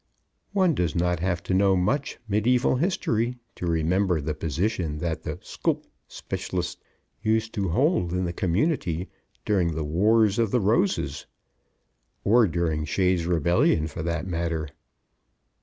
One does not have to know much medieval history to remember the position that the sclp spclst used to hold in the community during the Wars of the Roses. Or during Shay's Rebellion, for that matter.